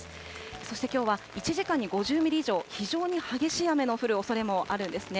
そしてきょうは、１時間に５０ミリ以上、非常に激しい雨の降るおそれもあるんですね。